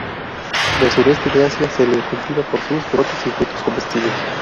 En el sureste de Asia, se la cultiva por sus brotes y frutos comestibles.